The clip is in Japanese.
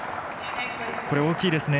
これは大きいですね。